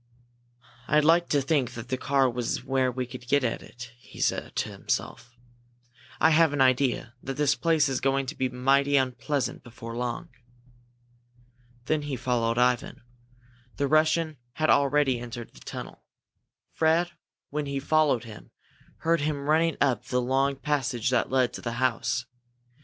"I'd like to think that that car was where we could get at it," he said to himself. "I have an idea that this place is going to be mighty unpleasant before long." Then he followed Ivan. The Russian had already entered the tunnel. Fred, when he followed him, heard him running up the long passage that led up to the house.